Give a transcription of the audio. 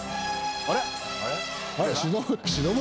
あれ？